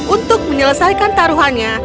untuk menyelesaikan taruhannya